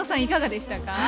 いかがでしたか？